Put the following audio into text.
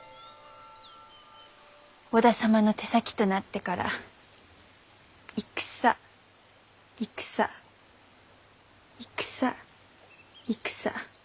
織田様の手先となってから戦戦戦戦。